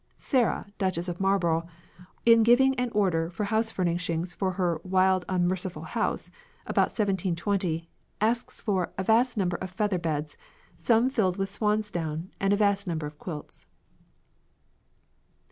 Sarah, Duchess of Marlborough, in giving an order for house furnishings for her "wild, unmerciful house" about 1720, asks for "a vast number of feather beds, some filled with swansdown, and a vast number of quilts."